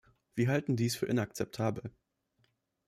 Wir halten dies für inakzeptabel.